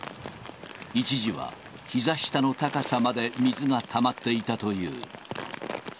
一時はひざ下の高さまで水がたまっていたという。